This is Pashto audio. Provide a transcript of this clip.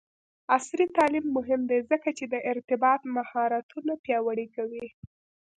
عصري تعلیم مهم دی ځکه چې د ارتباط مهارتونه پیاوړی کوي.